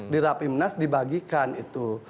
dirapimnas dibagikan itu